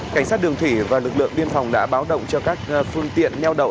cảnh sát đường thủy và lực lượng biên phòng đã báo động cho các phương tiện neo đậu